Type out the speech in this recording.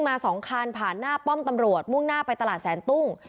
มาสองคันผ่านหน้าป้อมตำรวจมุ่งหน้าไปตลาดแสนตุ้ง